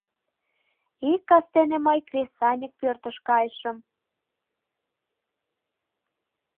Ик кастене мый Кресаньык пӧртыш кайышым.